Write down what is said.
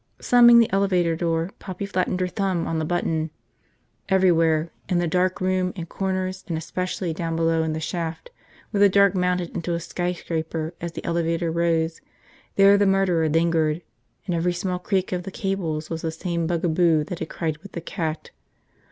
Slamming the elevator door, Poppy flattened her thumb on the button. Everywhere, in the dark rooms and corners and especially down below in the shaft where the dark mounted into a skyscraper as the elevator rose, there the murderer lingered. And every small creak of the cables was the same bugaboo that had cried with the cat.